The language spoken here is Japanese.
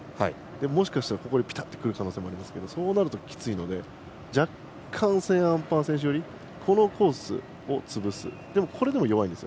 もしかしたらぴたっとくる可能性もありますけどそうなるときついので若干セーンアンパー選手寄りのこのコースを潰す。